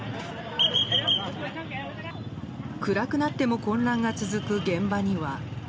暗くなっても混乱が続く現場には。